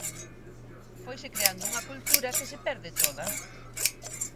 Foise creando unha cultura que se perde toda.